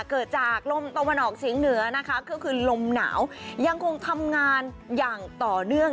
เกิดจากลมตะวันออกเฉียงเหนือนะคะก็คือลมหนาวยังคงทำงานอย่างต่อเนื่อง